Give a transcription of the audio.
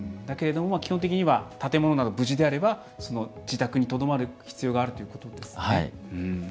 だけれども、基本的には建物など無事であれば自宅にとどまる必要があるということですね。